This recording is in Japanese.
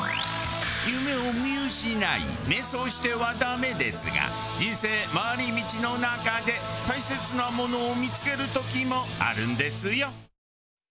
夢を見失い迷走してはダメですが人生回り道の中で大切なものを見つける時もあるんですよ。